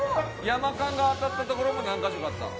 山勘が当たった所も何カ所かあった？